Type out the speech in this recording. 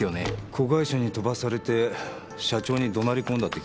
子会社に飛ばされて社長にどなり込んだって聞きましたよ。